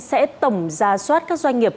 sẽ tổng ra soát các doanh nghiệp